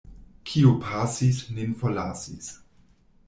Kio pasis, nin forlasis.